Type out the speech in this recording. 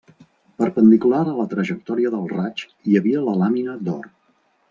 Perpendicular a la trajectòria del raig hi havia la làmina d'or.